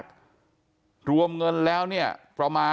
ความปลอดภัยของนายอภิรักษ์และครอบครัวด้วยซ้ำ